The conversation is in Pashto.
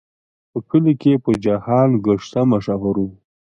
په کلي کې په جهان ګشته مشهور و.